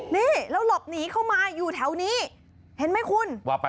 นี่แล้วหลบหนีเข้ามาอยู่แถวนี้เห็นไหมคุณ